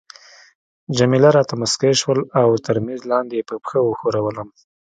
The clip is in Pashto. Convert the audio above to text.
جميله راته مسکی شول او تر میز لاندي يې په پښه وښورولم.